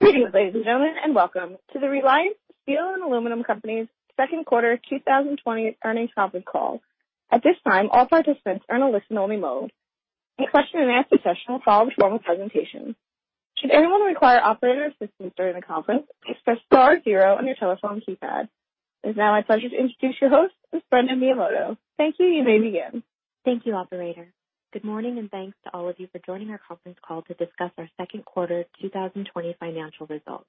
Good evening, ladies and gentlemen, and welcome to the Reliance Steel & Aluminum Co's second quarter 2020 earnings conference call. At this time, all participants are in a listen-only mode. A question and answer session will follow the formal presentation. Should anyone require operator assistance during the conference, press star zero on your telephone keypad. It is now my pleasure to introduce your host, Ms. Brenda Miyamoto. Thank you. You may begin. Thank you, operator. Good morning, and thanks to all of you for joining our conference call to discuss our second quarter 2020 financial results.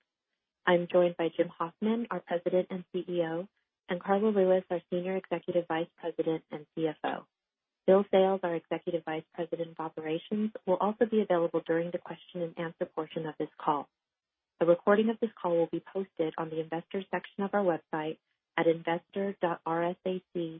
I'm joined by Jim Hoffman, our President and CEO, and Karla Lewis, our Senior Executive Vice President and CFO. Bill Sales, our Executive Vice President of Operations, will also be available during the question and answer portion of this call. A recording of this call will be posted on the investors section of our website at investor.rsac.com.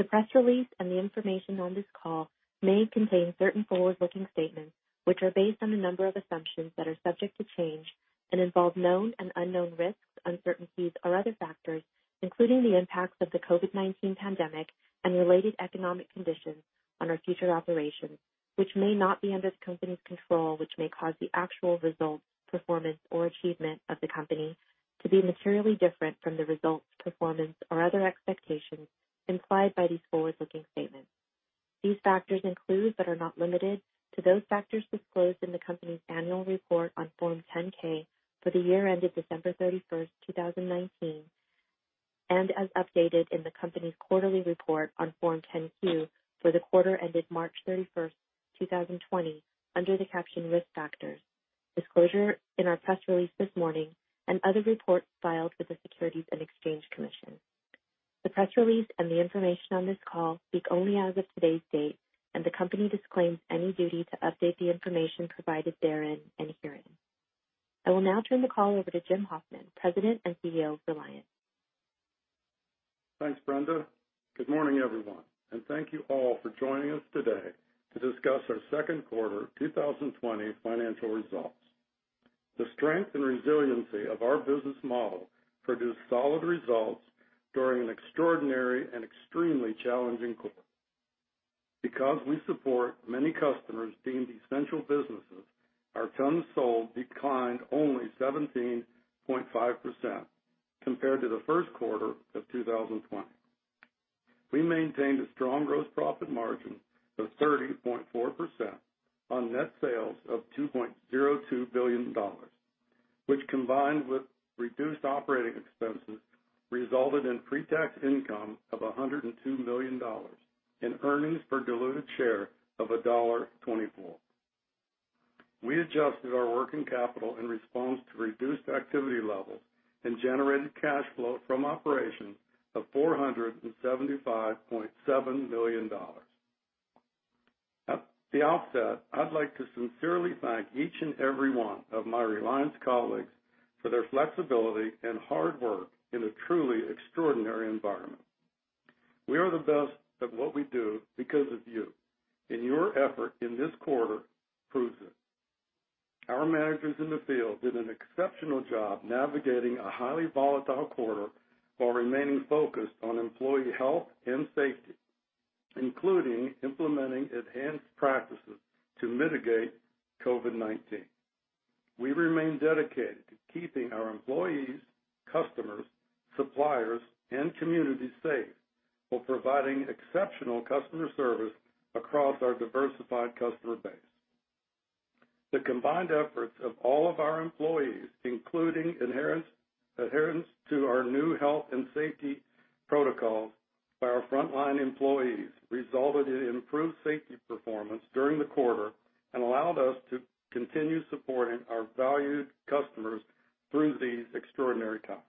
The press release and the information on this call may contain certain forward-looking statements, which are based on a number of assumptions that are subject to change and involve known and unknown risks, uncertainties, or other factors, including the impacts of the COVID-19 pandemic and related economic conditions on our future operations, which may not be under the company's control, which may cause the actual results, performance, or achievement of the company to be materially different from the results, performance, or other expectations implied by these forward-looking statements. These factors include but are not limited to those factors disclosed in the company's annual report on Form 10-K for the year ended December 31st, 2019, and as updated in the company's quarterly report on Form 10-Q for the quarter ended March 31st, 2020, under the caption Risk Factors, disclosure in our press release this morning, and other reports filed with the Securities and Exchange Commission. The press release and the information on this call speak only as of today's date, and the company disclaims any duty to update the information provided therein and herein. I will now turn the call over to Jim Hoffman, President and CEO of Reliance. Thanks, Brenda. Good morning, everyone, and thank you all for joining us today to discuss our second quarter 2020 financial results. The strength and resiliency of our business model produced solid results during an extraordinary and extremely challenging quarter. Because we support many customers deemed essential businesses, our tons sold declined only 17.5% compared to the first quarter of 2020. We maintained a strong gross profit margin of 30.4% on net sales of $2.02 billion, which combined with reduced operating expenses, resulted in pre-tax income of $102 million, and earnings per diluted share of $1.24. We adjusted our working capital in response to reduced activity levels and generated cash flow from operations of $475.7 million. At the offset, I'd like to sincerely thank each and every one of my Reliance colleagues for their flexibility and hard work in a truly extraordinary environment. We are the best at what we do because of you, and your effort in this quarter proves it. Our managers in the field did an exceptional job navigating a highly volatile quarter while remaining focused on employee health and safety, including implementing enhanced practices to mitigate COVID-19. We remain dedicated to keeping our employees, customers, suppliers, and communities safe while providing exceptional customer service across our diversified customer base. The combined efforts of all of our employees, including adherence to our new health and safety protocols by our frontline employees, resulted in improved safety performance during the quarter and allowed us to continue supporting our valued customers through these extraordinary times.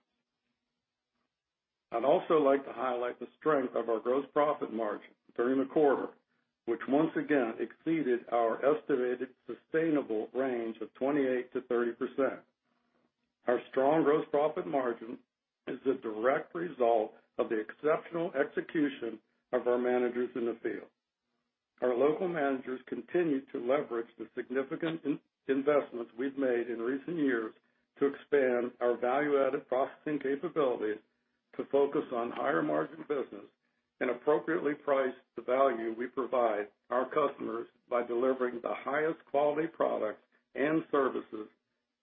I'd also like to highlight the strength of our gross profit margin during the quarter, which once again exceeded our estimated sustainable range of 28%-30%. Our strong gross profit margin is the direct result of the exceptional execution of our managers in the field. Our local managers continued to leverage the significant investments we've made in recent years to expand our value-added processing capabilities to focus on higher-margin business and appropriately price the value we provide our customers by delivering the highest quality products and services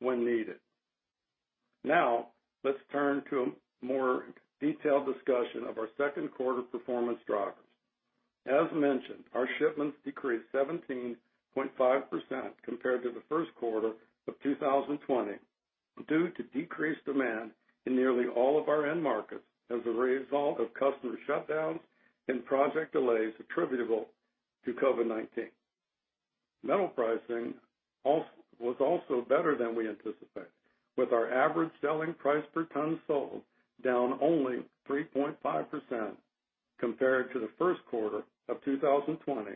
when needed. Now, let's turn to a more detailed discussion of our second quarter performance drivers. As mentioned, our shipments decreased 17.5% compared to the first quarter of 2020 due to decreased demand in nearly all of our end markets as a result of customer shutdowns and project delays attributable to COVID-19. Metal pricing was also better than we anticipated, with our average selling price per ton sold down only 3.5% compared to the first quarter of 2020,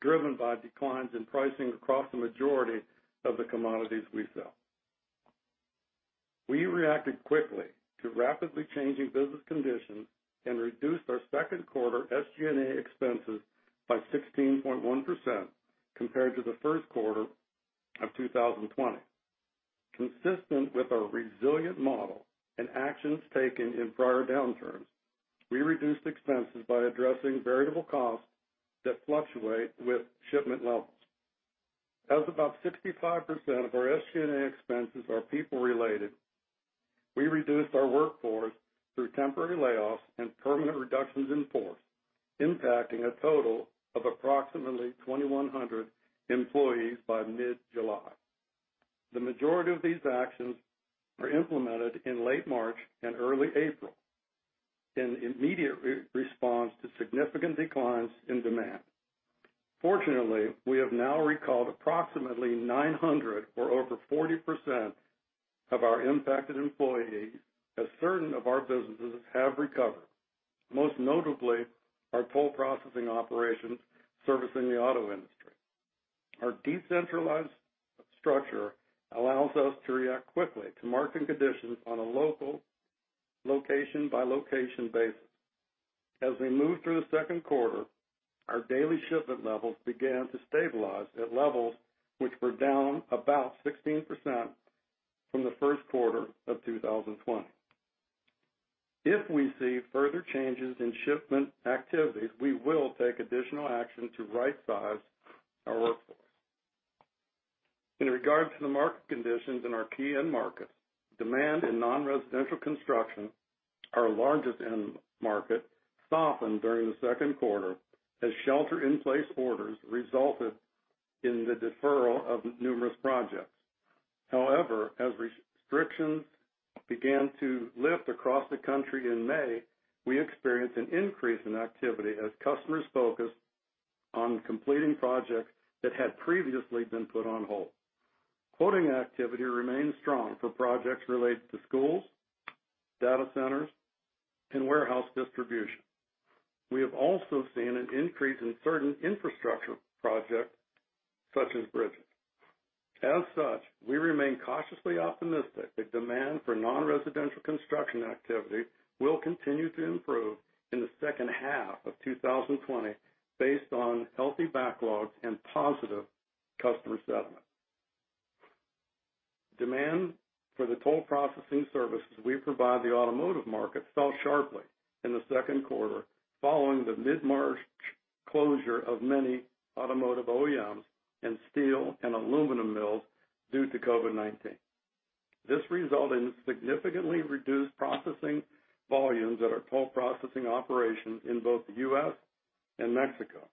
driven by declines in pricing across the majority of the commodities we sell. We reacted quickly to rapidly changing business conditions and reduced our second quarter SG&A expenses by 16.1% compared to the first quarter of 2020. Consistent with our resilient model and actions taken in prior downturns, we reduced expenses by addressing variable costs that fluctuate with shipment levels. As about 65% of our SG&A expenses are people-related, we reduced our workforce through temporary layoffs and permanent reductions in force, impacting a total of approximately 2,100 employees by mid-July. The majority of these actions were implemented in late March and early April in immediate response to significant declines in demand. Fortunately, we have now recalled approximately 900 or over 40% of our impacted employees as certain of our businesses have recovered, most notably our toll processing operations servicing the auto industry. Our decentralized structure allows us to react quickly to market conditions on a local, location-by-location basis. As we moved through the second quarter, our daily shipment levels began to stabilize at levels which were down about 16% from the first quarter of 2020. If we see further changes in shipment activities, we will take additional action to right size our workforce. In regards to the market conditions in our key end markets, demand in non-residential construction, our largest end market, softened during the second quarter as shelter-in-place orders resulted in the deferral of numerous projects. As restrictions began to lift across the country in May, we experienced an increase in activity as customers focused on completing projects that had previously been put on hold. Quoting activity remains strong for projects related to schools, data centers, and warehouse distribution. We have also seen an increase in certain infrastructure projects, such as bridges. We remain cautiously optimistic that demand for non-residential construction activity will continue to improve in the second half of 2020 based on healthy backlogs and positive customer sentiment. Demand for the toll processing services we provide the automotive market fell sharply in the second quarter, following the mid-March closure of many automotive OEMs and steel and aluminum mills due to COVID-19. This resulted in significantly reduced processing volumes at our toll processing operations in both the U.S. and Mexico.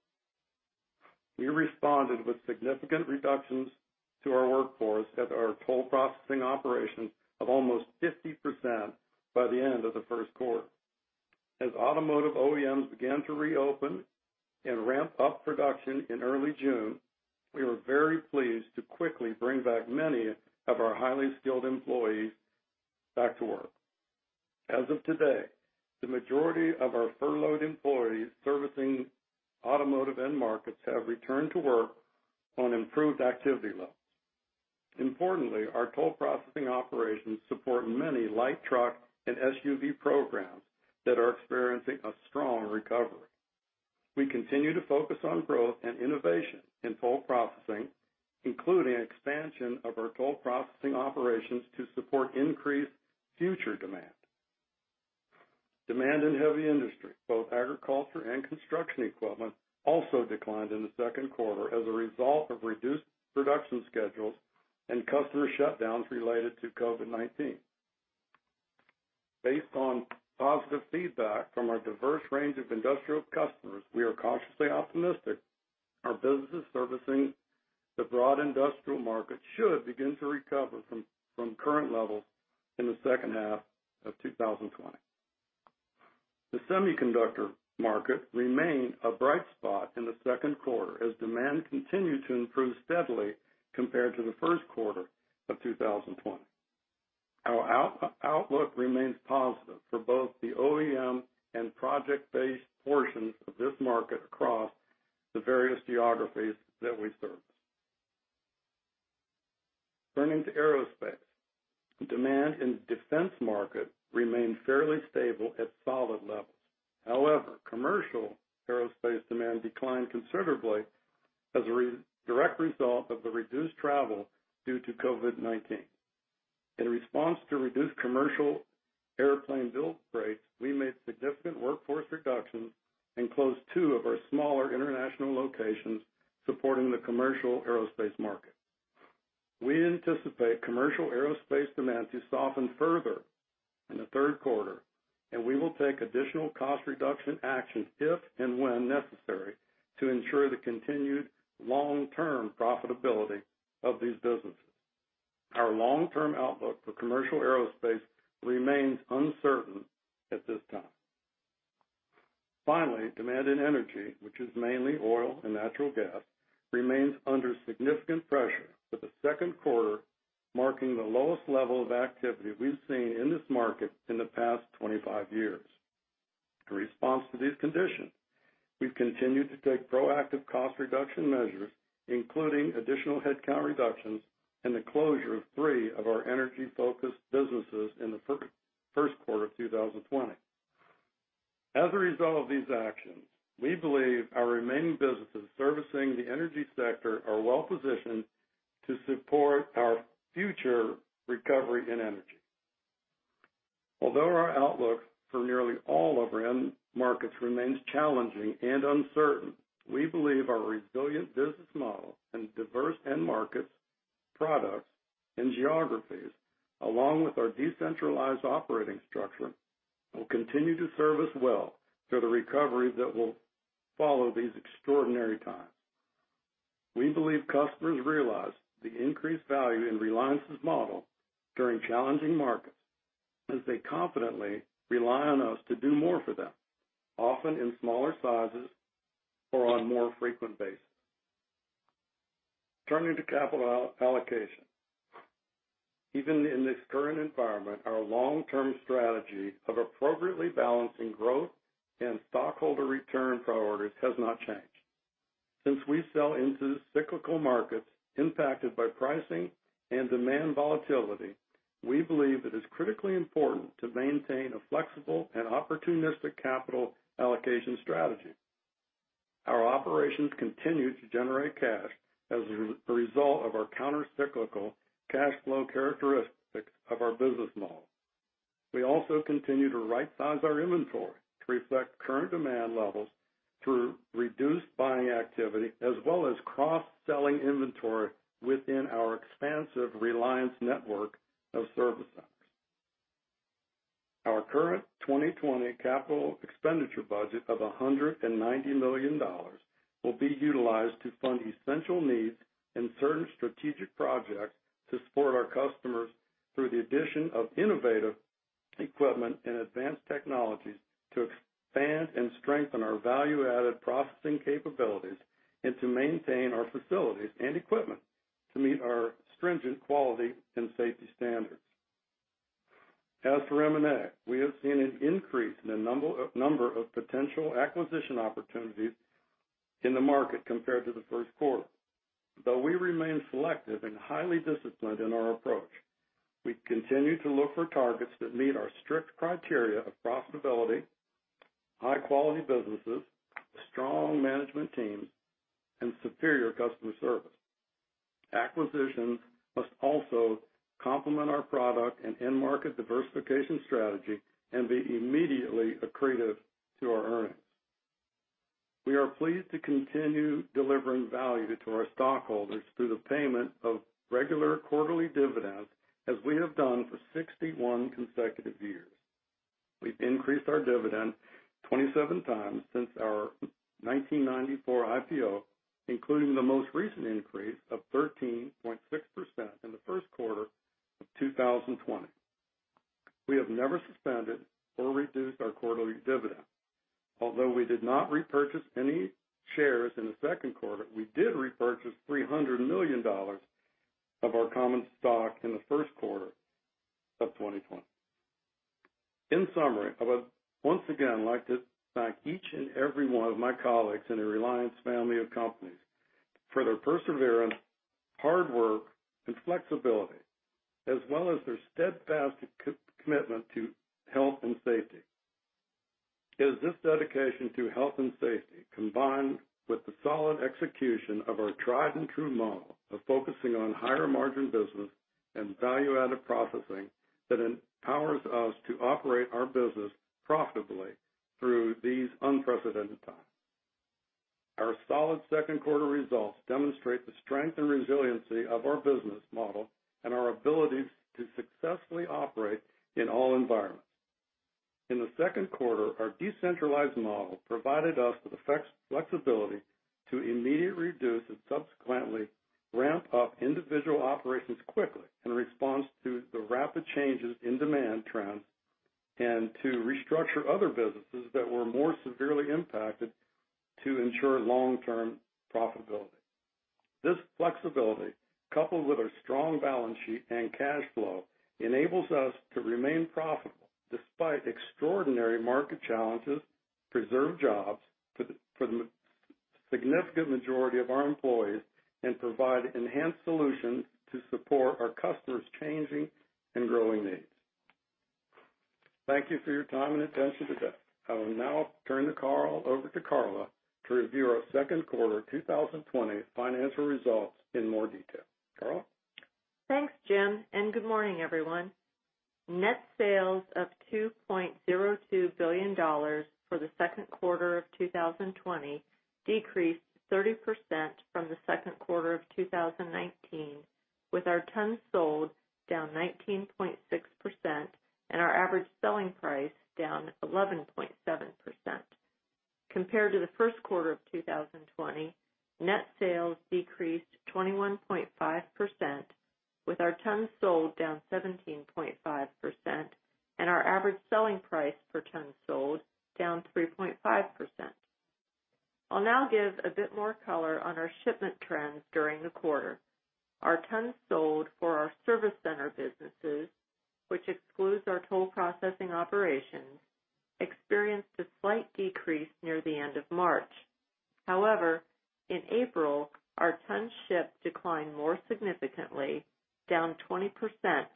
We responded with significant reductions to our workforce at our toll processing operations of almost 50% by the end of the first quarter. As automotive OEMs began to reopen and ramp up production in early June, we were very pleased to quickly bring back many of our highly skilled employees back to work. As of today, the majority of our furloughed employees servicing automotive end markets have returned to work on improved activity levels. Importantly, our toll processing operations support many light truck and SUV programs that are experiencing a strong recovery. We continue to focus on growth and innovation in toll processing, including expansion of our toll processing operations to support increased future demand. Demand in heavy industry, both agriculture and construction equipment, also declined in the second quarter as a result of reduced production schedules and customer shutdowns related to COVID-19. Based on positive feedback from our diverse range of industrial customers, we are cautiously optimistic our businesses servicing the broad industrial market should begin to recover from current levels in the second half of 2020. The semiconductor market remained a bright spot in the second quarter as demand continued to improve steadily compared to the first quarter of 2020. Our outlook remains positive for both the OEM and project-based portions of this market across the various geographies that we service. Turning to aerospace. Demand in defense market remained fairly stable at solid levels. However, commercial aerospace demand declined considerably as a direct result of the reduced travel due to COVID-19. In response to reduced commercial airplane build rates, we made significant workforce reductions and closed two of our smaller international locations supporting the commercial aerospace market. We anticipate commercial aerospace demand to soften further in the third quarter, and we will take additional cost reduction actions if and when necessary to ensure the continued long-term profitability of these businesses. Our long-term outlook for commercial aerospace remains uncertain at this time. Finally, demand in energy, which is mainly oil and natural gas, remains under significant pressure, with the second quarter marking the lowest level of activity we've seen in this market in the past 25 years. In response to these conditions, we've continued to take proactive cost reduction measures, including additional headcount reductions and the closure of three of our energy-focused businesses in the first quarter of 2020. As a result of these actions, we believe our remaining businesses servicing the energy sector are well-positioned to support our future recovery in energy. Although our outlook for nearly all of our end markets remains challenging and uncertain, we believe our resilient business model and diverse end markets, products, and geographies, along with our decentralized operating structure, will continue to serve us well through the recovery that will follow these extraordinary times. We believe customers realize the increased value in Reliance's model during challenging markets, as they confidently rely on us to do more for them, often in smaller sizes or on more frequent basis. Turning to capital allocation. Even in this current environment, our long-term strategy of appropriately balancing growth and stockholder return priorities has not changed. Since we sell into cyclical markets impacted by pricing and demand volatility, we believe it is critically important to maintain a flexible and opportunistic capital allocation strategy. Our operations continue to generate cash as a result of our countercyclical cash flow characteristics of our business model. We also continue to right-size our inventory to reflect current demand levels through reduced buying activity, as well as cross-selling inventory within our expansive Reliance network of service centers. Our current 2020 capital expenditure budget of $190 million will be utilized to fund essential needs and certain strategic projects to support our customers through the addition of innovative equipment and advanced technologies to expand and strengthen our value-added processing capabilities, and to maintain our facilities and equipment to meet our stringent quality and safety standards. As for M&A, we have seen an increase in the number of potential acquisition opportunities in the market compared to the first quarter. Though we remain selective and highly disciplined in our approach, we continue to look for targets that meet our strict criteria of profitability, high-quality businesses, strong management teams, and superior customer service. Acquisitions must also complement our product and end market diversification strategy and be immediately accretive to our earnings. We are pleased to continue delivering value to our stockholders through the payment of regular quarterly dividends, as we have done for 61 consecutive years. We've increased our dividend 27x since our 1994 IPO, including the most recent increase of 13.6% in the first quarter of 2020. We have never suspended or reduced our quarterly dividend. Although we did not repurchase any shares in the second quarter, we did repurchase $300 million of our common stock in the first quarter of 2020. In summary, I would once again like to thank each and every one of my colleagues in the Reliance family of companies for their perseverance, hard work and flexibility, as well as their steadfast commitment to health and safety. It is this dedication to health and safety, combined with the solid execution of our tried-and-true model of focusing on higher margin business and value-added processing that empowers us to operate our business profitably through these unprecedented times. Our solid second quarter results demonstrate the strength and resiliency of our business model and our ability to successfully operate in all environments. In the second quarter, our decentralized model provided us with the flexibility to immediately reduce and subsequently ramp up individual operations quickly in response to the rapid changes in demand trends, and to restructure other businesses that were more severely impacted to ensure long-term profitability. This flexibility, coupled with our strong balance sheet and cash flow, enables us to remain profitable despite extraordinary market challenges, preserve jobs for the significant majority of our employees, and provide enhanced solutions to support our customers' changing and growing needs. Thank you for your time and attention today. I will now turn the call over to Karla to review our second quarter 2020 financial results in more detail. Karla? Thanks, Jim, and good morning, everyone. Net sales of $2.02 billion for the second quarter of 2020 decreased 30% from the second quarter of 2019, with our tons sold down 19.6% and our average selling price down 11.7%. Compared to the first quarter of 2020, net sales decreased 21.5%, with our tons sold down 17.5% and our average selling price per ton sold down 3.5%. I'll now give a bit more color on our shipment trends during the quarter. Our tons sold for our service center businesses, which excludes our toll processing operations, experienced a slight decrease near the end of March. However, in April, our tons shipped declined more significantly, down 20%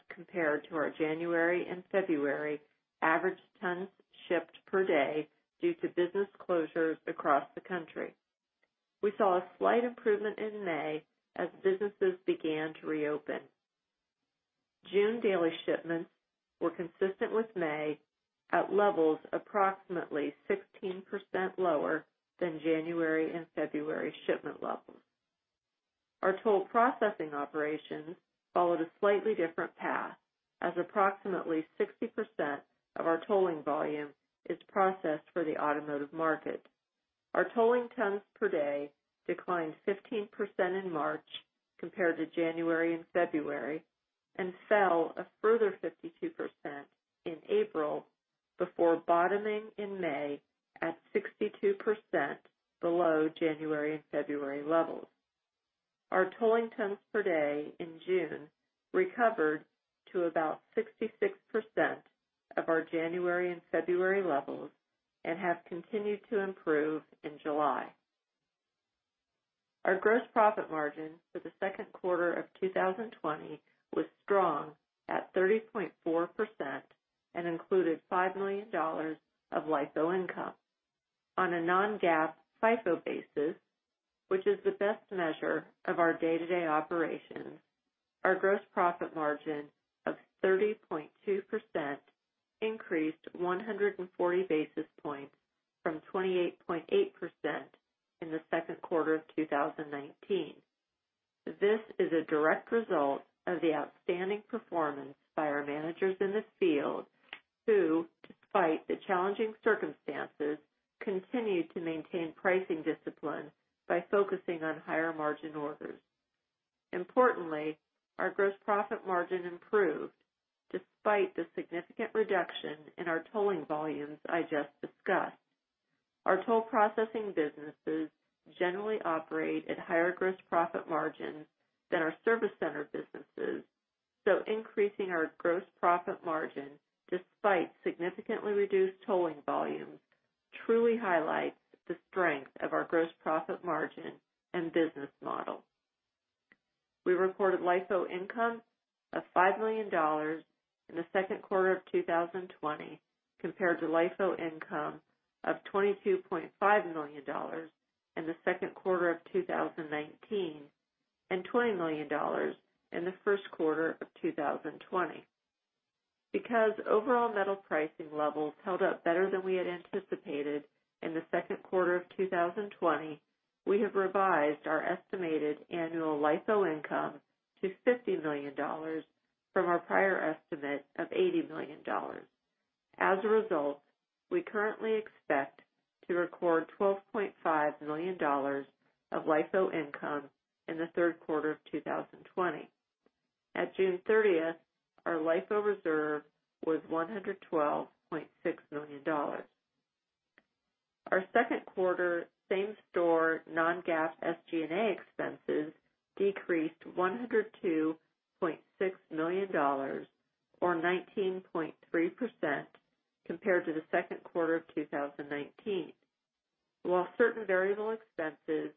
compared to our January and February average tons shipped per day due to business closures across the country. We saw a slight improvement in May as businesses began to reopen. June daily shipments were consistent with May, at levels approximately 16% lower than January and February shipment levels. Our toll processing operations followed a slightly different path, as approximately 60% of our tolling volume is processed for the automotive market. Our tolling tons per day declined 15% in March compared to January and February, and fell a further 52% in April before bottoming in May at 62% below January and February levels. Our tolling tons per day in June recovered to about 66% of our January and February levels and have continued to improve in July. Our gross profit margin for the second quarter of 2020 was strong at 30.4% and included $5 million of LIFO income. On a non-GAAP, FIFO basis, which is the best measure of our day-to-day operations, our gross profit margin of 30.2% increased 140 basis points from 28.8% in the second quarter of 2019. This is a direct result of the outstanding performance by our managers in the field who, despite the challenging circumstances, continued to maintain pricing discipline by focusing on higher margin orders. Importantly, our gross profit margin improved despite the significant reduction in our tolling volumes I just discussed. Increasing our gross profit margin despite significantly reduced tolling volumes truly highlights the strength of our gross profit margin and business model. We reported LIFO income of $5 million in Q2 2020 compared to LIFO income of $22.5 million in Q2 2019 and $20 million in Q1 2020. Because overall metal pricing levels held up better than we had anticipated in the second quarter of 2020, we have revised our estimated annual LIFO income to $50 million from our prior estimate of $80 million. As a result, we currently expect to record $12.5 million of LIFO income in the third quarter of 2020. At June 30th, our LIFO reserve was $112.6 million. Our second quarter same-store non-GAAP SG&A expenses decreased $102.6 million, or 19.3%, compared to the second quarter of 2019. While certain variable expenses,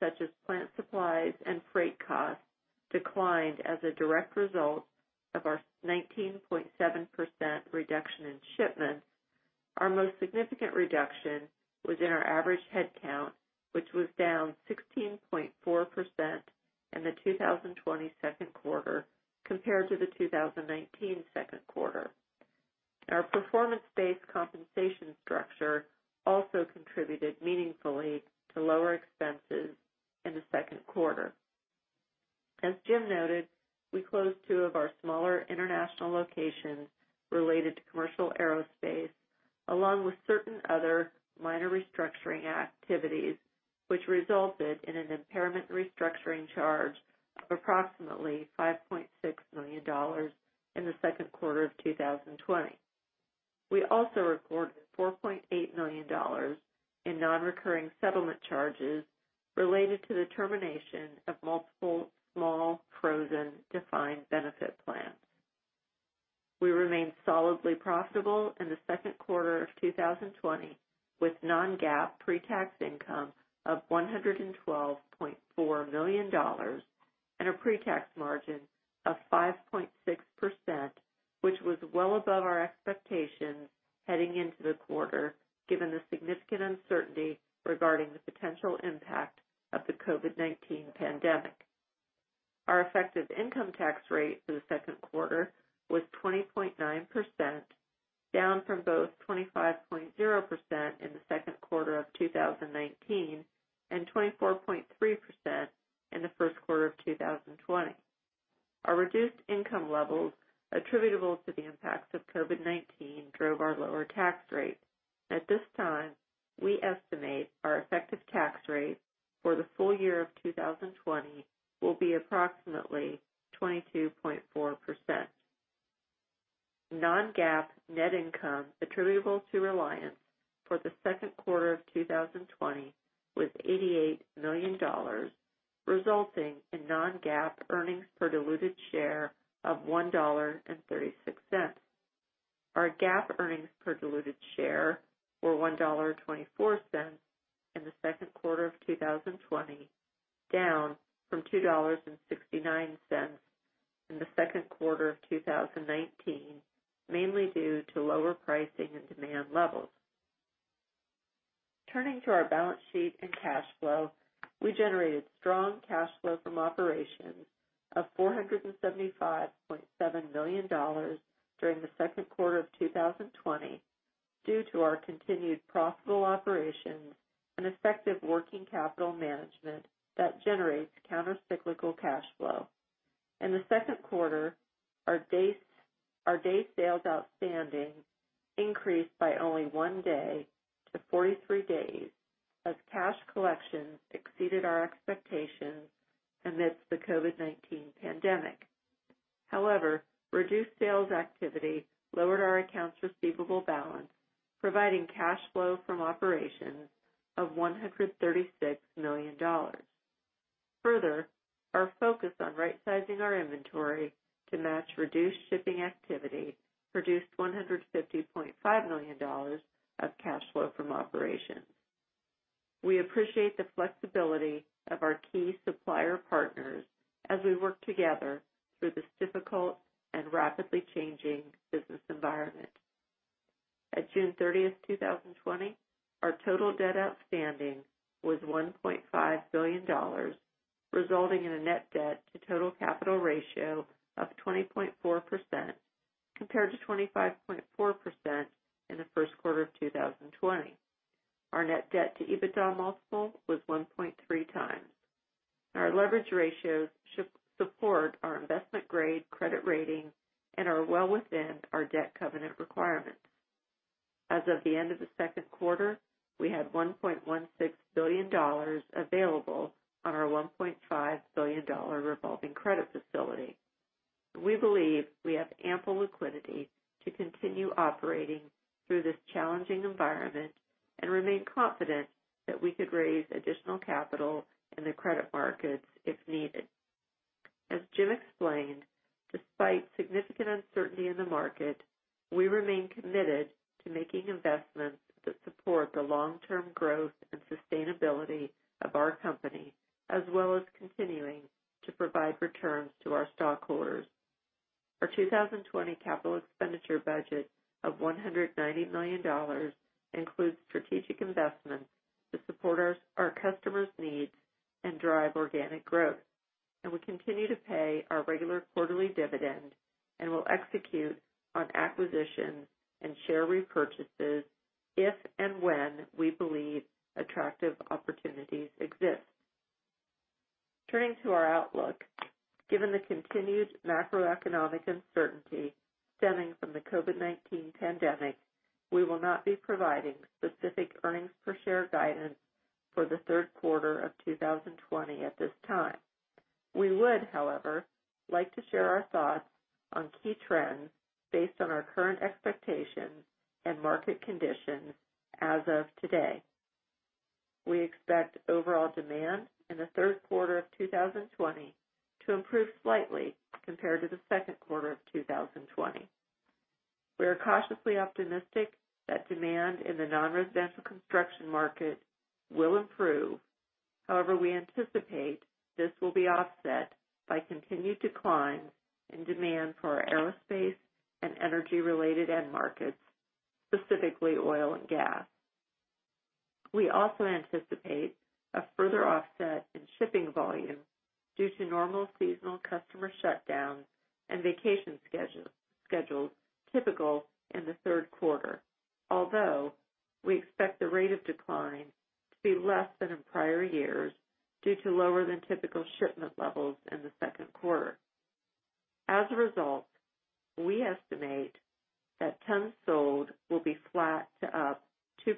such as plant supplies and freight costs, declined as a direct result of our 19.7% reduction in shipments, our most significant reduction was in our average headcount, which was down 16.4% in the 2020 second quarter compared to the 2019 second quarter. Our performance-based compensation structure also contributed meaningfully to lower expenses in the second quarter. As Jim noted, we closed two of our smaller international locations for the second quarter of 2020 was $88 million, resulting in non-GAAP earnings per diluted share of $1.36. Our GAAP earnings per diluted share were $1.24 in the second quarter of 2020, down from $2.69 in the second quarter of 2019, mainly due to lower pricing and demand levels. Turning to our balance sheet and cash flow, we generated strong cash flow from operations of $475.7 million during the second quarter of 2020 due to our continued profitable operations and effective working capital management that generates counter-cyclical cash flow. In the second quarter, our day sales outstanding increased by only one day to 43 days, as cash collections exceeded our expectations amidst the COVID-19 pandemic. However, reduced sales activity lowered our accounts receivable balance, providing cash flow from operations of $136 million. Further, our focus on rightsizing our inventory to match reduced shipping activity produced $150.5 million of cash flow from operations. We appreciate the flexibility of our key supplier partners as we work together through this difficult and rapidly changing business environment. At June 30th, 2020, our total debt outstanding was $1.5 billion, resulting in a net debt to total capital ratio of 20.4% compared to 25.4% in the first quarter of 2020. Our net debt to EBITDA multiple was 1.3x. Our leverage ratios support our investment-grade credit rating and are well within our debt covenant requirements. As of the end of the second quarter, we had $1.16 billion available on our $1.5 billion revolving credit facility. We believe we have ample liquidity to continue operating through this challenging environment and remain confident that we could raise additional capital in the credit markets if needed. As Jim explained, despite significant uncertainty in the market, we remain committed to making investments that support the long-term growth and sustainability of our company, as well as continuing to provide returns to our stockholders. Our 2020 capital expenditure budget of $190 million includes strategic investments to support our customers' needs and drive organic growth, and we continue to pay our regular quarterly dividend and will execute on acquisitions and share repurchases if and when we believe attractive opportunities exist. Turning to our outlook, given the continued macroeconomic uncertainty stemming from the COVID-19 pandemic, we will not be providing specific earnings per share guidance for the third quarter of 2020 at this time. We would, however, like to share our thoughts on key trends based on our current expectations and market conditions as of today. We expect overall demand in the third quarter of 2020 to improve slightly compared to the second quarter of 2020. We are cautiously optimistic that demand in the non-residential construction market will improve. However, we anticipate this will be offset by continued declines in demand for our aerospace and energy-related end markets, specifically oil and gas. We also anticipate a further offset in shipping volume due to normal seasonal customer shutdowns and vacation schedules typical in the third quarter. Although, we expect the rate of decline to be less than in prior years due to lower than typical shipment levels in the second quarter. As a result, we estimate that tons sold will be flat to up 2%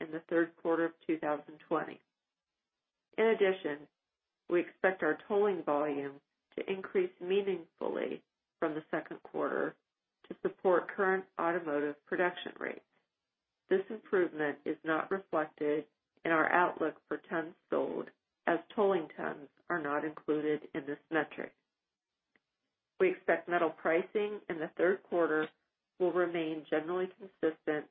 in the third quarter of 2020. In addition, we expect our tolling volume to increase meaningfully from the second quarter to support current automotive production rates. This improvement is not reflected in our outlook for tons sold, as tolling tons are not included in this metric. We expect metal pricing in the third quarter will remain generally consistent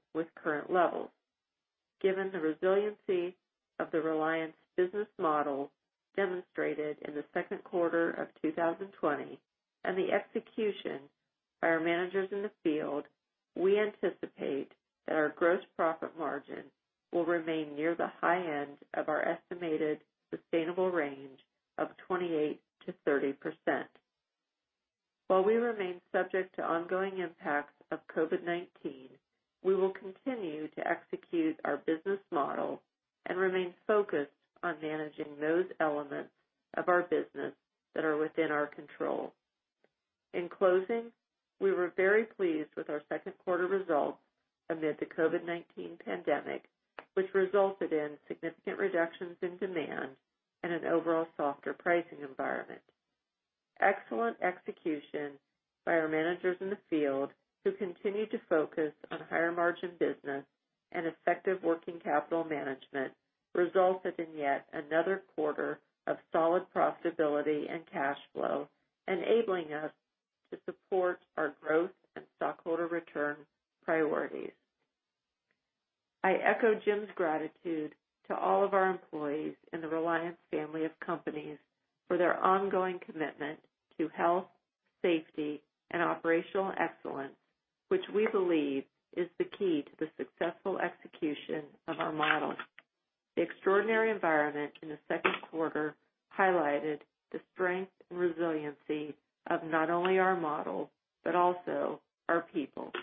not only our model, but also our people.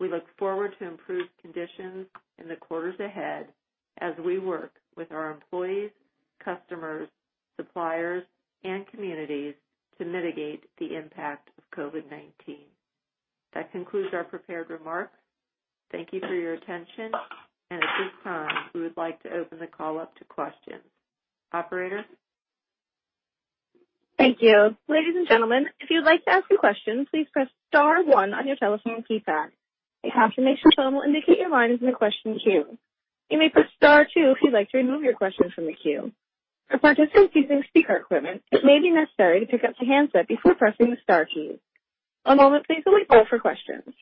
We look forward to improved conditions in the quarters ahead as we work with our employees, customers, suppliers, and communities to mitigate the impact of COVID-19. That concludes our prepared remarks. Thank you for your attention, and at this time, we would like to open the call up to questions. Operator? Thank you. Ladies and gentlemen, if you'd like to ask a question, please press star one on your telephone keypad. A confirmation tone will indicate your line is in the question queue. You may press star two if you'd like to remove your question from the queue. For participants using speaker equipment, it may be necessary to pick up the handset before pressing the star key. One moment please while we call for questions.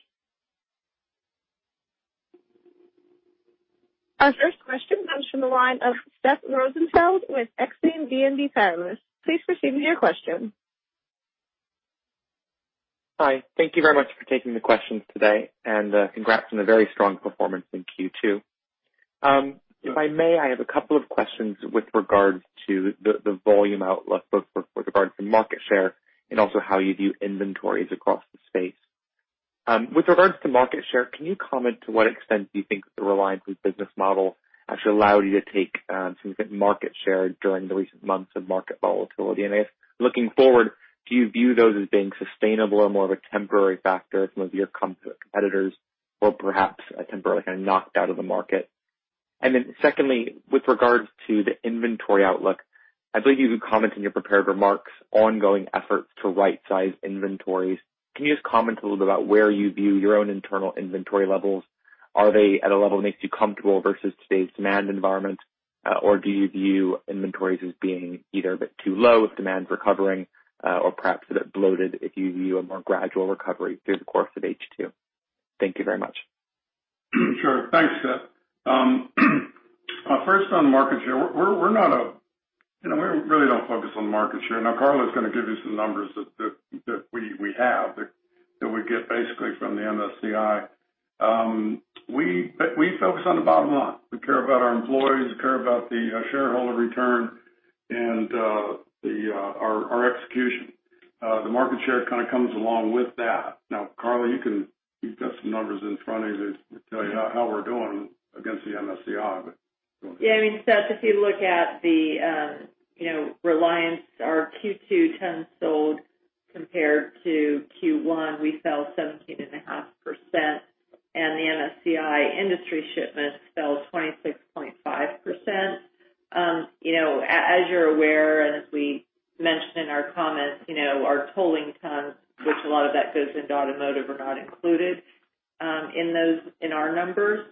Our first question comes from the line of Seth Rosenfeld with Exane BNP Paribas. Please proceed with your question. Hi. Thank you very much for taking the questions today, and congrats on a very strong performance in Q2. If I may, I have a couple of questions with regards to the volume outlook, both with regards to market share and also how you view inventories across the space. With regards to market share, can you comment to what extent do you think the Reliance business model has allowed you to take some market share during the recent months of market volatility? I guess looking forward, do you view those as being sustainable or more of a temporary factor some of your competitors or perhaps temporarily kind of knocked out of the market? Secondly, with regards to the inventory outlook, I believe you commented in your prepared remarks, ongoing efforts to right-size inventories. Can you just comment a little bit about where you view your own internal inventory levels? Are they at a level that makes you comfortable versus today's demand environment? Or do you view inventories as being either a bit too low if demand's recovering, or perhaps a bit bloated if you view a more gradual recovery through the course of H2? Thank you very much. Sure. Thanks, Seth. First, on market share, we really don't focus on market share. Karla is going to give you some numbers that we have, that we get basically from the MSCI. We focus on the bottom line. We care about our employees, we care about the shareholder return, and our execution. The market share kind of comes along with that. Karla, you've got some numbers in front of you to tell you how we're doing against the MSCI. Yeah, I mean, Seth, if you look at the Reliance, our Q2 tons sold compared to Q1, we fell 17.5%, and the MSCI industry shipments fell 26.5%. As you're aware, and as we mentioned in our comments, our tolling tons, which a lot of that goes into automotive, are not included in our numbers.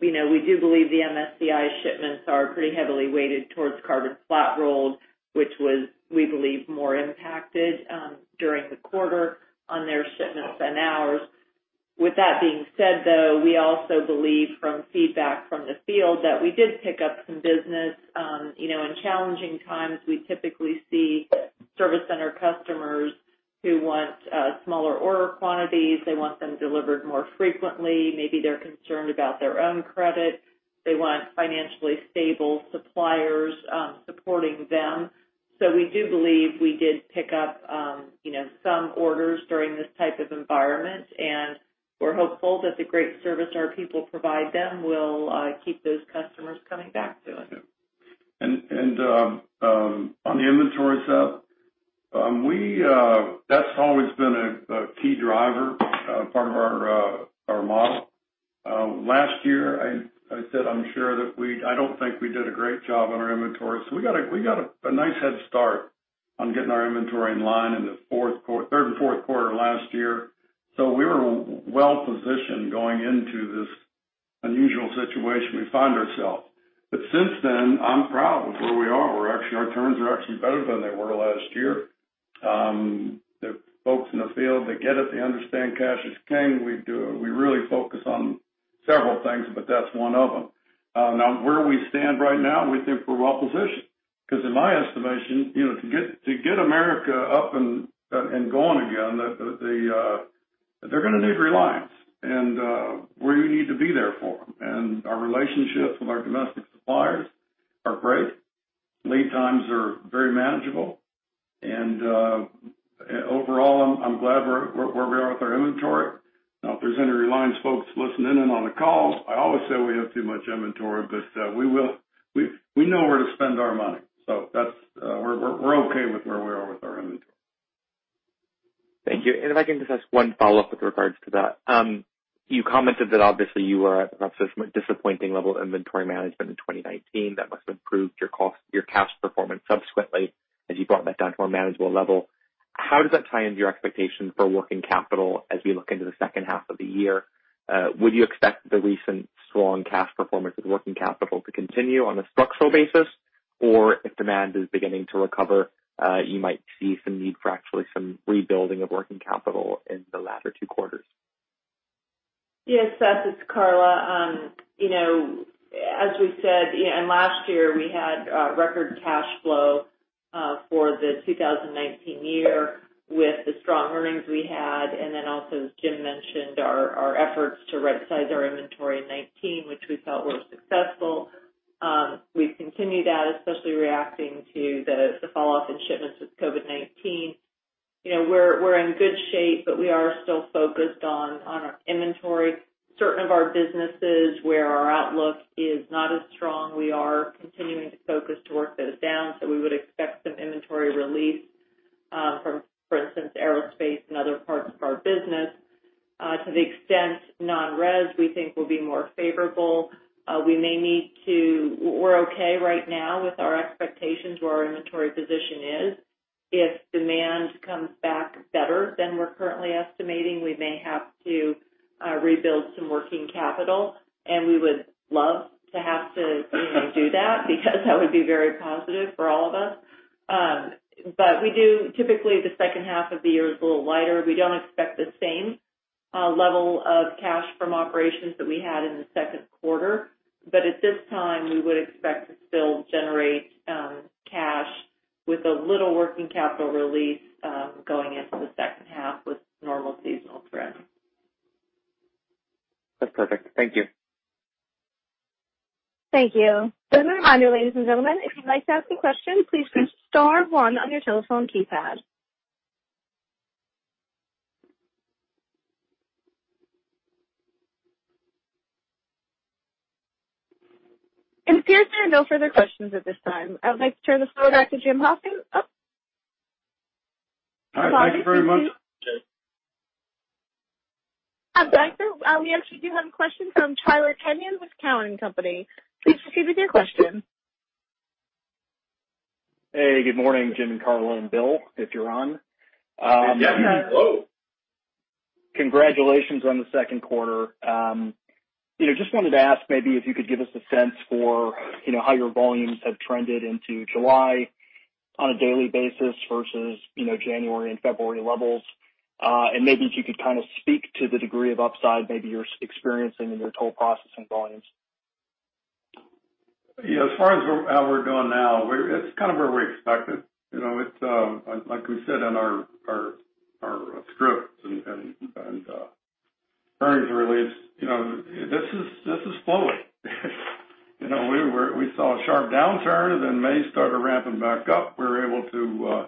We do believe the MSCI shipments are pretty heavily weighted towards carbon flat-rolled, which was, we believe, more impacted during the quarter on their shipments than ours. With that being said, though, we also believe from feedback from the field that we did pick up some business. In challenging times, we typically see service center customers who want smaller order quantities. They want them delivered more frequently. Maybe they're concerned about their own credit. They want financially stable suppliers supporting them. We do believe we did pick up some orders during this type of environment, and we're hopeful that the great service our people provide them will keep those customers coming back to us. Yeah. On the inventory, Seth, that's always been a key driver part of our model. Last year, I said I don't think we did a great job on our inventory. We got a nice head start on getting our inventory in line in the third and fourth quarter last year. We were well-positioned going into this unusual situation we find ourselves. Since then, I'm proud of where we are. Our turns are actually better than they were last year. The folks in the field, they get it. They understand cash is king. We really focus on several things, but that's one of them. Now, where we stand right now, we think we're well-positioned. In my estimation, to get America up and going again, they're going to need Reliance, and we need to be there for them. Our relationships with our domestic suppliers are great. Lead times are very manageable. Overall, I'm glad where we are with our inventory. Now, if there's any Reliance folks listening in on the call, I always say we have too much inventory, but we know where to spend our money. We're okay with where we are with our inventory. Thank you. If I can just ask one follow-up with regards to that. You commented that obviously you were at a disappointing level of inventory management in 2019. That must have improved your cash performance subsequently as you brought that down to a manageable level. How does that tie into your expectations for working capital as we look into the second half of the year? Would you expect the recent strong cash performance with working capital to continue on a structural basis? Or if demand is beginning to recover, you might see some need for actually some rebuilding of working capital in the latter two quarters? Yes, Seth, it's Karla. As we said, last year, we had record cash flow for the 2019 year with the strong earnings we had, and then also, as Jim mentioned, our efforts to right-size our inventory in 2019, which we felt were successful. We've continued that, especially reacting to the fall-off in shipments with COVID-19. We're in good shape, but we are still focused on our inventory. Certain of our businesses, where our outlook is not as strong, we are continuing to focus to work those down, so we would expect some inventory relief from, for instance, aerospace and other parts of our business. To the extent non-res, we think will be more favorable. We're okay right now with our expectations where our inventory position is. If demand comes back better than we're currently estimating, we may have to rebuild some working capital, and we would love to have to do that, because that would be very positive for all of us. Typically, the second half of the year is a little lighter. We don't expect the same level of cash from operations that we had in the second quarter. At this time, we would expect to still generate cash with a little working capital release going into the second half with normal seasonal trends. That's perfect. Thank you. Thank you. Let me remind you, ladies and gentlemen, if you'd like to ask a question, please press star one on your telephone keypad. It appears there are no further questions at this time. I would like to turn this over back to Jim Hoffman. All right. Thank you very much. I'm back. We actually do have a question from Tyler Kenyon with Cowen & Co. Please proceed with your question. Hey, good morning, Jim, Karla, and Bill, if you're on. Yes. Hello. Congratulations on the second quarter. Just wanted to ask maybe if you could give us a sense for how your volumes have trended into July on a daily basis versus January and February levels. Maybe if you could kind of speak to the degree of upside maybe you're experiencing in your toll processing volumes. Yeah, as far as how we're doing now, it's kind of where we expected. Like we said on our scripts and earnings release, this is flowing. We saw a sharp downturn, then May started ramping back up. We were able to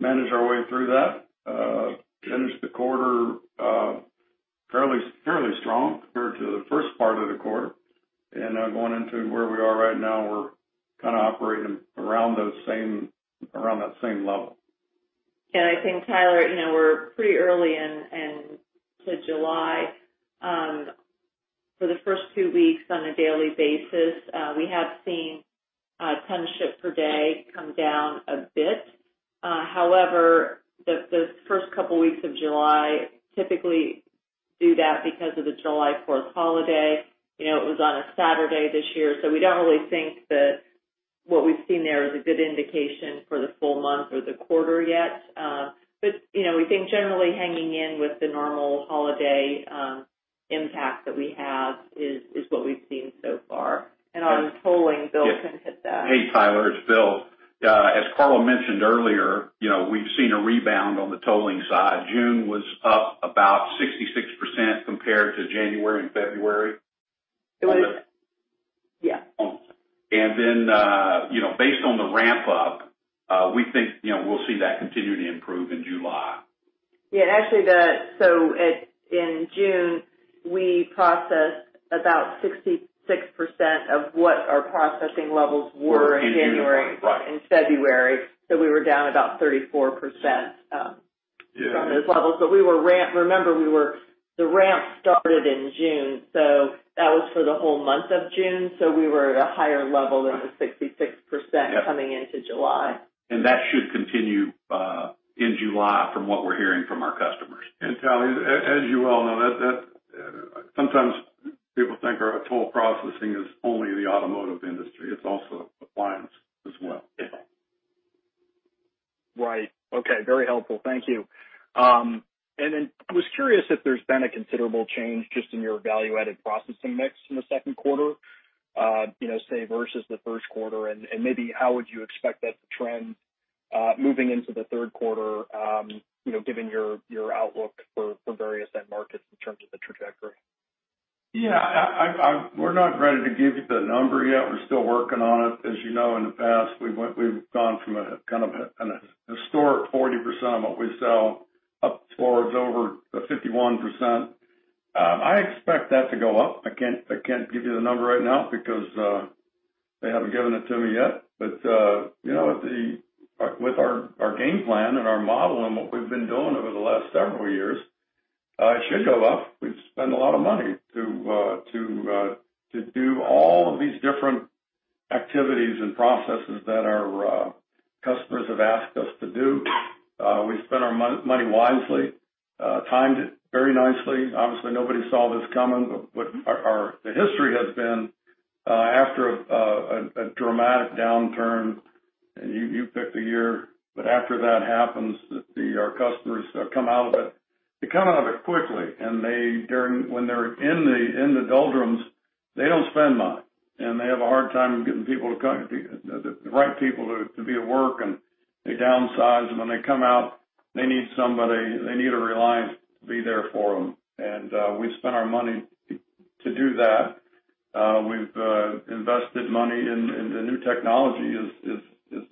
manage our way through that, finish the quarter fairly strong compared to the first part of the quarter. Now going into where we are right now, we're kind of operating around that same level. I think, Tyler, we're pretty early into July. For the first two weeks on a daily basis, we have seen tons shipped per day come down a bit. However, the first couple weeks of July typically do that because of the July 4th holiday. It was on a Saturday this year, we don't really think that what we've seen there is a good indication for the full month or the quarter yet. We think generally hanging in with the normal holiday impact that we have is what we've seen so far. On tolling, Bill can hit that. Hey, Tyler, it's Bill. As Karla mentioned earlier, we've seen a rebound on the tolling side. June was up about 66% compared to January and February. It was. Yeah. Based on the ramp up, we think we'll see that continue to improve in July. Yeah, actually, in June, we processed about 66% of what our processing levels were. We're in June. Right? in January and February. We were down about 34% from those levels. Remember, the ramp started in June. That was for the whole month of June, we were at a higher level than the 66% coming into July. That should continue in July from what we're hearing from our customers. Tyler, as you well know, sometimes people think our toll processing is only in the automotive industry. It's also appliance as well. Right. Okay. Very helpful. Thank you. Then I was curious if there's been a considerable change just in your value-added processing mix in the second quarter, say, versus the first quarter, and maybe how would you expect that to trend moving into the third quarter given your outlook for various end markets in terms of the trajectory? Yeah. We're not ready to give you the number yet. We're still working on it. As you know, in the past, we've gone from a kind of an historic 40% of what we sell up towards over 51%. I expect that to go up. I can't give you the number right now because they haven't given it to me yet. With our game plan and our model and what we've been doing over the last several years, it should go up. We've spent a lot of money to do all of these different activities and processes that our customers have asked us to do. We spent our money wisely, timed it very nicely. Obviously, nobody saw this coming. The history has been, after a dramatic downturn, and you pick the year, but after that happens, our customers come out of it. They come out of it quickly, and when they're in the doldrums, they don't spend money, and they have a hard time getting the right people to be at work, and they downsize. When they come out, they need somebody. They need a Reliance to be there for them. We've spent our money to do that. We've invested money in the new technology. It's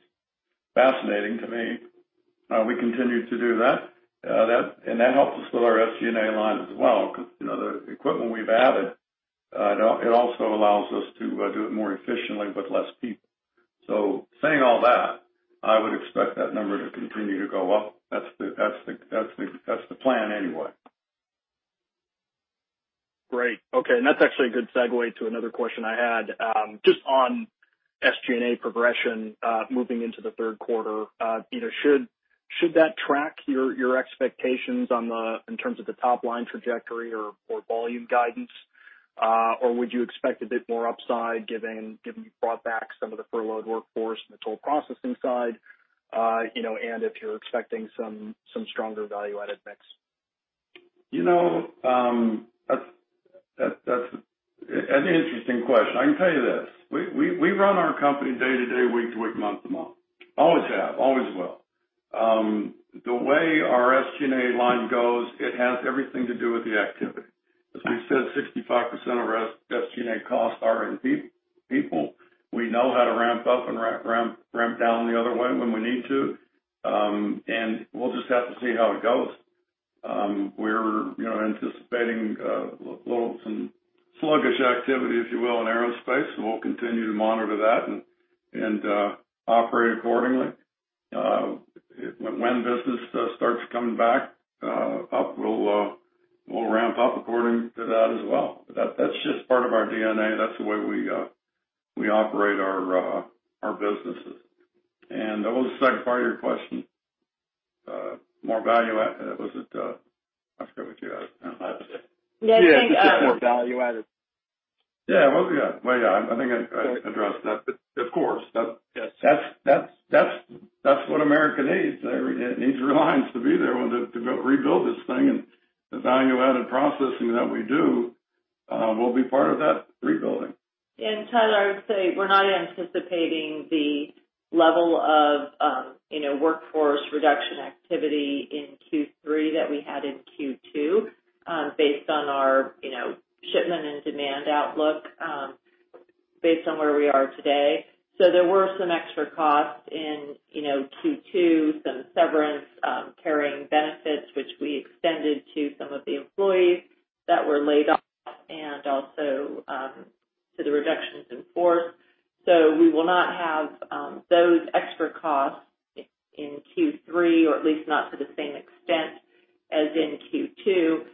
fascinating to me. We continue to do that. That helps us with our SG&A line as well, because the equipment we've added, it also allows us to do it more efficiently with less people. Saying all that, I would expect that number to continue to go up. That's the plan anyway. Great. Okay. That's actually a good segue to another question I had. Just on SG&A progression, moving into the third quarter, should that track your expectations in terms of the top-line trajectory or volume guidance? Or would you expect a bit more upside given you brought back some of the furloughed workforce on the toll processing side, and if you're expecting some stronger value-added mix? That's an interesting question. I can tell you this. We run our company day to day, week to week, month to month. Always have, always will. The way our SG&A line goes, it has everything to do with the activity. As we said, 65% of our SG&A costs are in people. We know how to ramp up and ramp down the other way when we need to. We'll just have to see how it goes. We're anticipating some sluggish activity, if you will, in aerospace, and we'll continue to monitor that and operate accordingly. When business starts coming back up, we'll ramp up according to that as well. That's just part of our DNA. That's the way we operate our businesses. What was the second part of your question? More value added? I forget what you asked now. Yeah. Just more value added. Yeah. Well, good. Well, yeah, I think I addressed that. Of course that's what America needs. It needs Reliance to be there, to rebuild this thing and the value-added processing that we do will be part of that rebuilding. Tyler, I would say we're not anticipating the level of workforce reduction activity in Q3 that we had in Q2, based on our shipment and demand outlook, based on where we are today. There were some extra costs in Q2, some severance, carrying benefits, which we extended to some of the employees that were laid off, and also to the reductions in force. We will not have those extra costs in Q3, or at least not to the same extent as in Q2.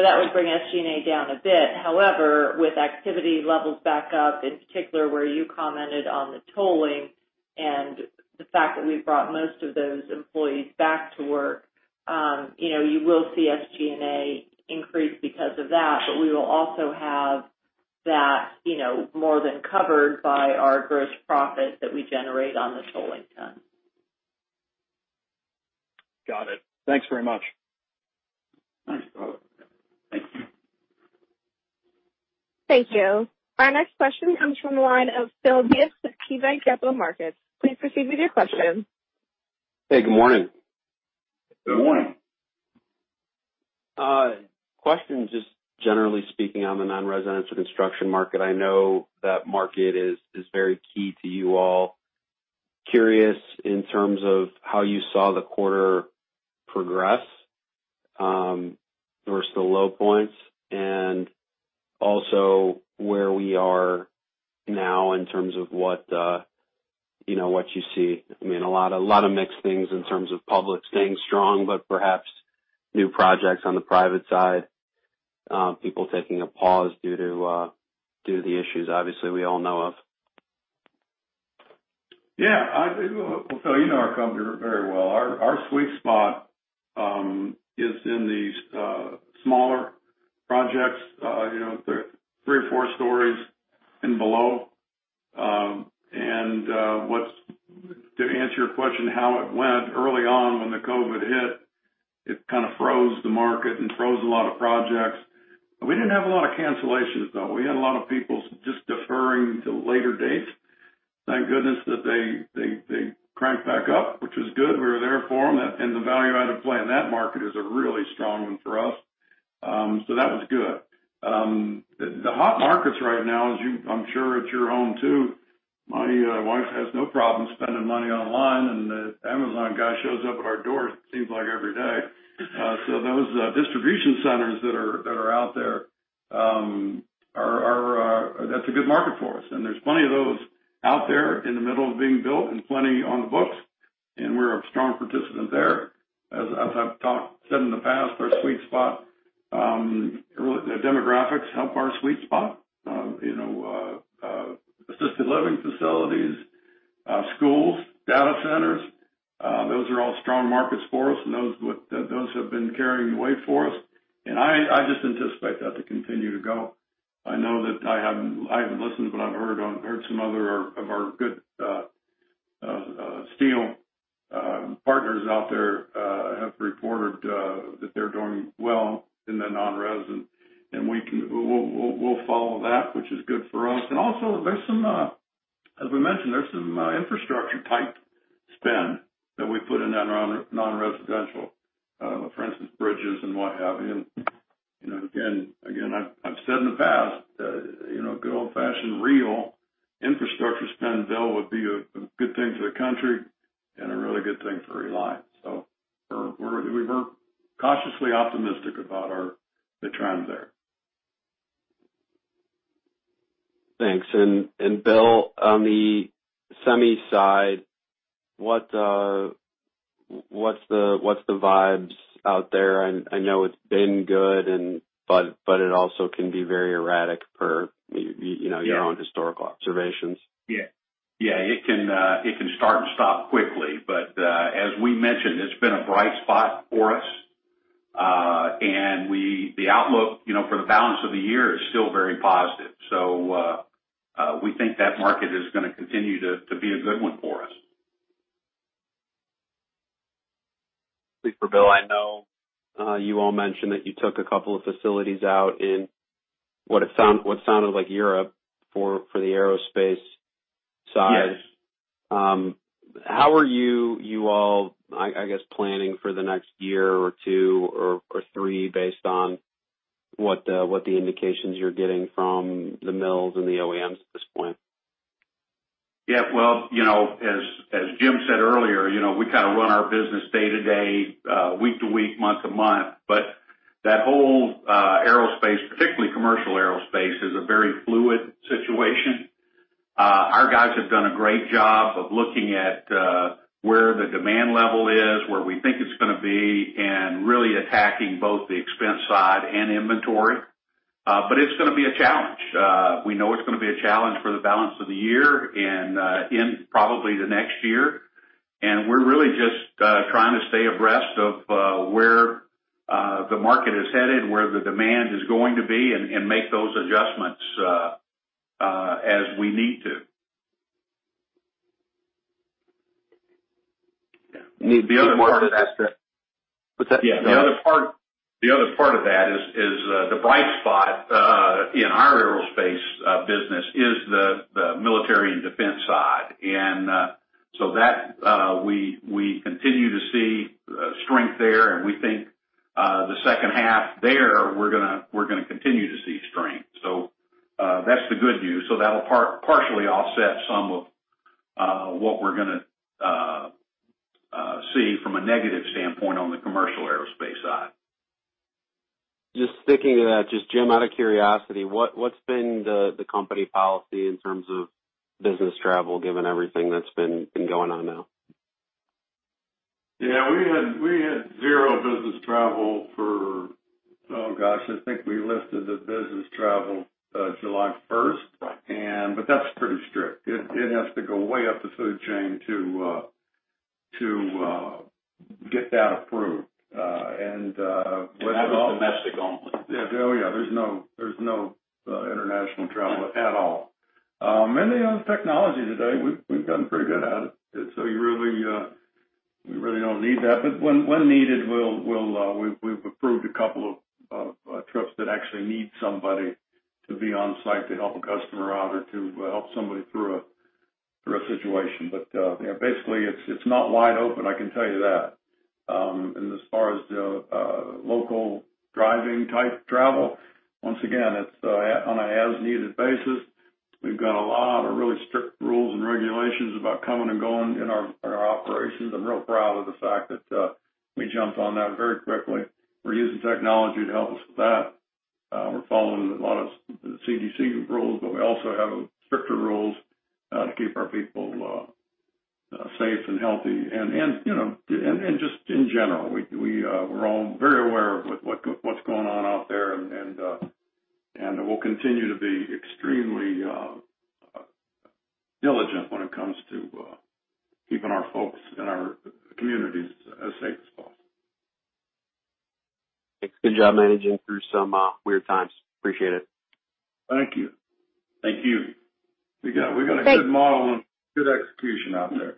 That would bring SG&A down a bit. With activity levels back up, in particular, where you commented on the tolling and the fact that we've brought most of those employees back to work, you will see SG&A increase because of that. We will also have that more than covered by our gross profit that we generate on the tolling ton. Got it. Thanks very much. Thanks, Tyler. Thank you. Thank you. Our next question comes from the line of Phil Gibbs with KeyBanc Capital Markets. Please proceed with your question. Hey, good morning. Good morning. Question, just generally speaking on the non-residential construction market? I know that market is very key to you all. Curious in terms of how you saw the quarter progress versus the low points and also where we are now in terms of what you see? A lot of mixed things in terms of public staying strong, but perhaps new projects on the private side, people taking a pause due to the issues obviously we all know of. Yeah. Phil, you know our company very well. Our sweet spot is in these smaller projects, the three or four stories and below. To answer your question, how it went early on when the COVID-19 hit, it kind of froze the market and froze a lot of projects. We didn't have a lot of cancellations, though. We had a lot of people just deferring to later dates. Thank goodness that they cranked back up, which was good. We were there for them. The value-added play in that market is a really strong one for us. That was good. The hot markets right now, as I'm sure at your home, too, my wife has no problem spending money online, the Amazon guy shows up at our door it seems like every day. Those distribution centers that are out there, that's a good market for us. There's plenty of those out there in the middle of being built and plenty on the books. And we're a strong participant there. As I've said in the past, our sweet spot, demographics help our sweet spot. Assisted living facilities, schools, data centers, those are all strong markets for us, and those have been carrying the weight for us. I just anticipate that to continue to go. I know that I haven't listened, but I've heard some other of our good steel partners out there have reported that they're doing well in the non-res, and we'll follow that, which is good for us. Also, as we mentioned, there's some infrastructure type spend that we put in that non-residential. For instance, bridges and what have you. Again, I've said in the past, good old-fashioned real infrastructure spend bill would be a good thing for the country and a really good thing for Reliance. We're cautiously optimistic about the trend there. Thanks. Bill, on the semi side, what's the vibes out there? I know it's been good, but it also can be very erratic per your own historical observations. Yeah. It can start and stop quickly. As we mentioned, it's been a bright spot for us. The outlook for the balance of the year is still very positive. We think that market is going to continue to be a good one for us. Super, Bill. I know you all mentioned that you took a couple of facilities out in what sounded like Europe for the aerospace side. Yes. How are you all, I guess, planning for the next year or two or three based on what the indications you're getting from the mills and the OEMs at this point? Yeah. Well, as Jim said earlier, we kind of run our business day to day, week to week, month to month, but that whole aerospace, particularly commercial aerospace, is a very fluid situation. Our guys have done a great job of looking at where the demand level is, where we think it's going to be, and really attacking both the expense side and inventory. It's going to be a challenge. We know it's going to be a challenge for the balance of the year and in probably the next year. We're really just trying to stay abreast of where the market is headed, where the demand is going to be, and make those adjustments as we need to the other part of that. What's that? Yeah. The other part of that is the bright spot in our aerospace business is the military and defense side. That, we continue to see strength there, and we think the second half there, we're going to continue to see strength. That's the good news. That'll partially offset some of what we're going to see from a negative standpoint on the commercial aerospace side. Just sticking to that, just Jim, out of curiosity, what's been the company policy in terms of business travel given everything that's been going on now? Yeah. We had zero business travel for, oh, gosh, I think we lifted the business travel July 1st. That's pretty strict. It has to go way up the food chain to get that approved. That's domestic only. Yeah. There's no international travel at all. Mainly on technology today. We've gotten pretty good at it. We really don't need that. When needed, we've approved a couple of trips that actually need somebody to be on-site to help a customer out or to help somebody through a situation. Basically, it's not wide open, I can tell you that. As far as the local driving type travel, once again, it's on an as-needed basis. We've got a lot of really strict rules and regulations about coming and going in our operations. I'm real proud of the fact that we jumped on that very quickly. We're using technology to help us with that. We're following a lot of CDC rules, we also have stricter rules to keep our people safe and healthy. Just in general, we're all very aware of what's going on out there, and we'll continue to be extremely diligent when it comes to keeping our folks and our communities as safe as possible. Thanks. Good job managing through some weird times. Appreciate it. Thank you. Thank you. We got a good model and good execution out there.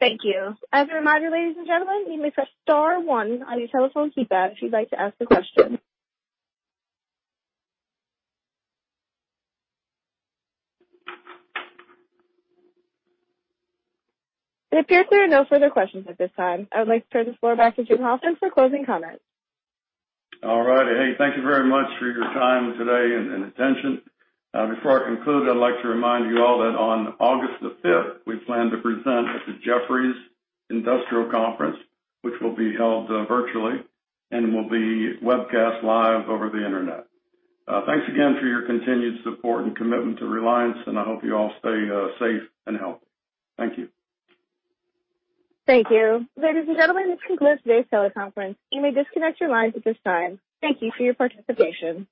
Thank you. As a reminder, ladies and gentlemen, you may press star one on your telephone keypad if you'd like to ask a question. It appears there are no further questions at this time. I would like to turn the floor back to Jim Hoffman for closing comments. All right. Hey, thank you very much for your time today and attention. Before I conclude, I'd like to remind you all that on August the 5th, we plan to present at the Jefferies Industrials Conference, which will be held virtually and will be webcast live over the Internet. Thanks again for your continued support and commitment to Reliance, and I hope you all stay safe and healthy. Thank you. Thank you. Ladies and gentlemen, this concludes today's teleconference. You may disconnect your lines at this time. Thank you for your participation.